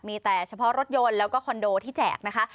มีแต่เฉพาะรถยนต์แล้วก็คอนโดที่แจกนะคะ